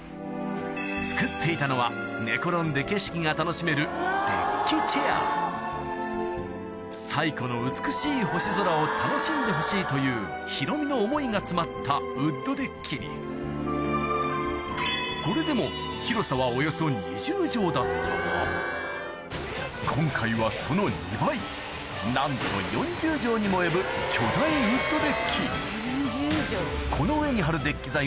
作っていたのは寝転んで景色が楽しめる西湖の美しい星空を楽しんでほしいというヒロミの思いが詰まったウッドデッキにこれでも広さはだったが今回はその２倍なんとこの上に張るいい？